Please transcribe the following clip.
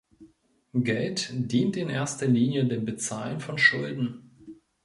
Geld dient in erster Linie dem Bezahlen von Schulden.